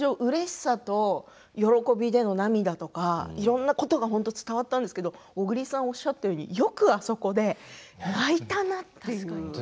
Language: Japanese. めちゃめちゃ感情、うれしさと喜びでの涙とかいろんなことが伝わったんですけれども小栗さんがおっしゃったようによくあそこで泣いたなという。